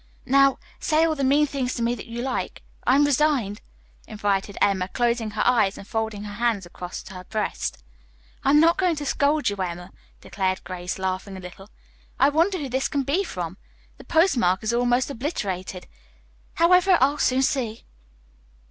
Now, say all the mean things to me that you like. I'm resigned," invited Emma, closing her eyes and folding her hands across her breast. "I'm not going to scold you, Emma," declared Grace, laughing a little. "I wonder who this can be from? The postmark is almost obliterated. However, I'll soon see."